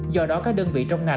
do đó các đơn vị